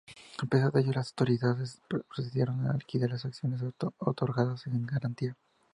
A pesar de ello, las autoridades procedieron a liquidar las acciones otorgadas en garantía.